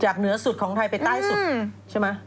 เหนือสุดของไทยไปใต้สุดใช่ไหม